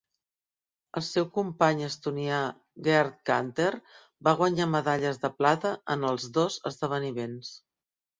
El seu company estonià Gerd Kanter va guanyar medalles de plata en els dos esdeveniments.